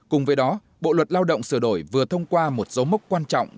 cùng với đó bộ luật lao động sửa đổi vừa thông qua một dấu mốc quan trọng